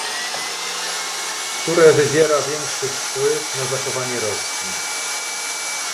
Które wywiera większy wpływ na zachowanie Rosji?